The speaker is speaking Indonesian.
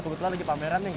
kebetulan lagi pameran nih